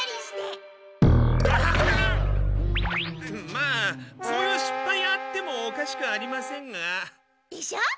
まあそういうしっぱいあってもおかしくありませんが。でしょう。